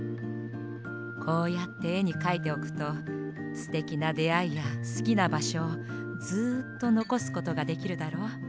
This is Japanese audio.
こうやってえにかいておくとすてきなであいやすきなばしょをずっとのこすことができるだろ。